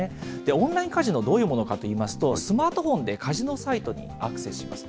オンラインカジノ、どういうものかといいますと、スマートフォンでカジノサイトにアクセスします。